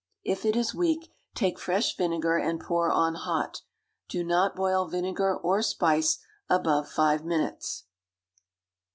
If it is weak, take fresh vinegar and pour on hot. Do not boil vinegar or spice above five minutes.